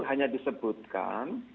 itu hanya disebutkan